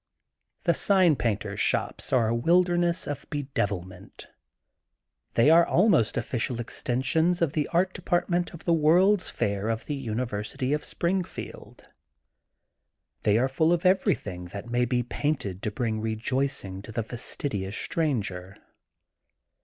The sign painters* shops are a wilderness of bedevilment. They are almost official ex tensions of the art department of the World's Fair of the University of Springfield. They are full of everything that may be painted to bring rejoicing to the fastidious stranger.